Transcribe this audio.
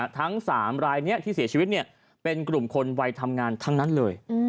ทั้ง๓รายนี้ที่เสียชีวิตเป็นกลุ่มคนวัยทำงานทั้งนั้นเลย